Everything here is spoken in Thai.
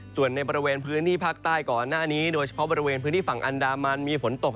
ส่วนในบริเวณพื้นที่ภาคใต้ก่อนหน้านี้โดยเฉพาะบริเวณพื้นที่ฝั่งอันดามันมีฝนตก